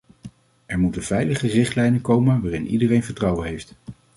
Er moeten veilige richtlijnen komen waarin iedereen vertrouwen heeft.